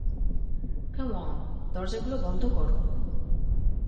কাম on, দরজা গুলো বন্ধ কর।